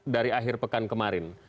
dari akhir pekan kemarin